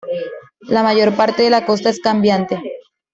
La mayor parte de la costa es cambiante.